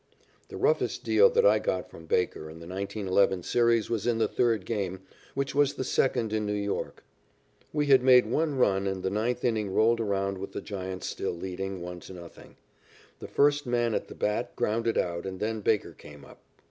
The roughest deal that I got from Baker in the 1911 series was in the third game, which was the second in New York. We had made one run and the ninth inning rolled around with the Giants still leading, 1 to 0. The first man at the bat grounded out and then Baker came up.